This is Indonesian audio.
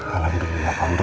alhamdulillah pak nino